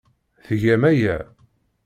Tgam aya.